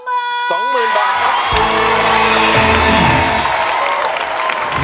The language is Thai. ๒หมื่นบาท